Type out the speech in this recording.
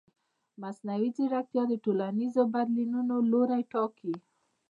مصنوعي ځیرکتیا د ټولنیزو بدلونونو لوری ټاکي.